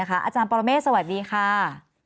อาจารย์ปรเมฆสวัสดีค่ะ